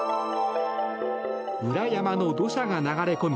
裏山の土砂が流れ込み